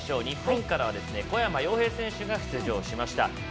日本からは小山陽平選手が出場しました。